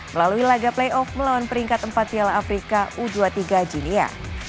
melalui laga playoff melawan peringkat empat piala afrika u dua puluh tiga junia